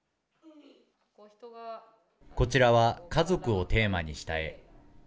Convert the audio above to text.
こちらは家族をテーマにした絵。